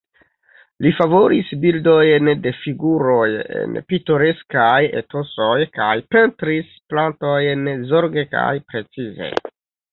Li favoris bildojn de figuroj en pitoreskaj etosoj kaj pentris plantojn zorge kaj precize.